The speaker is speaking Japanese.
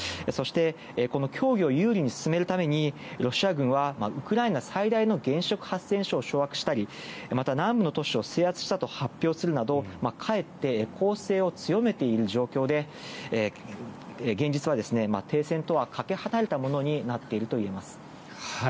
そして、この協議を有利に進めるためにロシア軍は、ウクライナ最大の原子力発電所を制圧したりまた、南部の都市を制圧したと発表するなどかえって攻勢を強めている状況で現実は停戦とはかけ離れたものになっているといえます。